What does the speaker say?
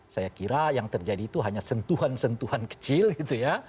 saya kira yang terjadi itu hanya sentuhan sentuhan kecil gitu ya